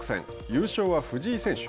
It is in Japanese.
優勝は藤井選手。